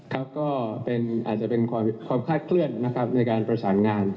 ครับก็อาจจะเป็นความคลาดเคลื่อนนะครับในการประสานงาน